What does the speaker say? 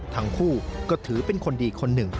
ทั้งคู่ก็ถือเป็นคนดีคนหนึ่ง